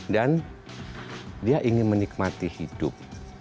dan dia ingin menikmati hidup